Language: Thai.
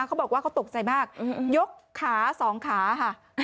เขาบอกว่าเขาตกใจมากยกขาสองขาค่ะ